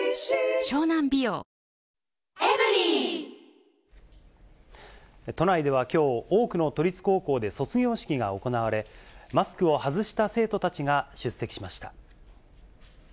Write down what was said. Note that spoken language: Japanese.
一方、都内ではきょう、多くの都立高校で卒業式が行われ、マスクを外した生徒たちが出席しました。